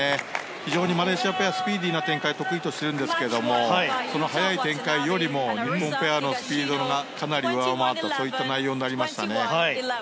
非常にマレーシアペアはスピーディーな展開を得意としているんですがその速い展開よりも日本ペアのスピードが上回ったそういった内容になりましたね。